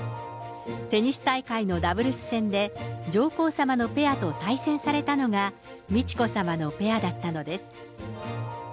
テニス大会のダブルス戦で、上皇さまのペアと対戦されたのが美智子さまのペアだったのです。